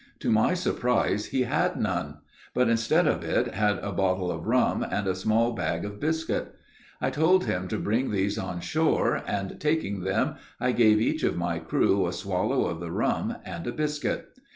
To my surprise he had none, but instead of it had a bottle of rum and a small bag of biscuit. I told him to bring these on shore, and, taking them, I gave each of my crew a swallow of the rum and a biscuit.